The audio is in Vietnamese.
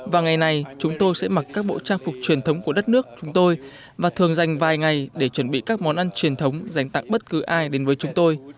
và ngày này chúng tôi sẽ mặc các bộ trang phục truyền thống của đất nước chúng tôi và thường dành vài ngày để chuẩn bị các món ăn truyền thống dành tặng bất cứ ai đến với chúng tôi